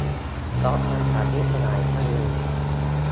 ก๊อปมาจาก มิตรสหายท่านหนึ่ง